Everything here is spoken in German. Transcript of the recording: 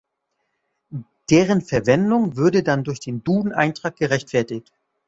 Deren Verwendung würde dann durch den Duden-Eintrag gerechtfertigt.